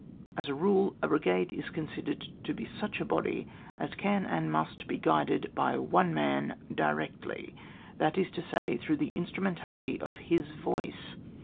As a rule, a bri gade is considered to be such a body as can and must be guided by one man directly — that is to say, through the in strumentality of his voice.